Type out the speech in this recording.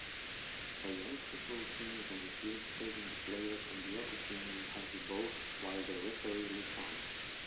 A young football team is on the field chasing a player from the other team who has the ball while the referee looks on